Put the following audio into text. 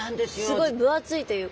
すごい分厚いというか。